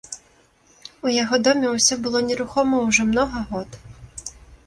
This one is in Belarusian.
У яго доме ўсё было нерухома ўжо многа год.